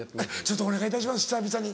お願いいたします久々に。